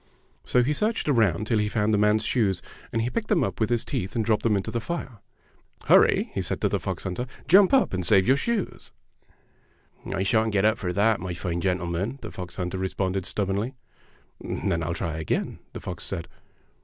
So he searched around tilbhe found the man's shoes, and he picked them up with his teeth and dropped them into the Are. " Hur ry!" he said to the fox hunter; "jump up and save your shoes!" "I shan't get up for that, my fine gentle man," the fox hunter responded stubbornly. "Then I'll try again," the fox said.